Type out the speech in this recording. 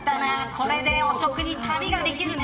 これでお得に旅ができるね。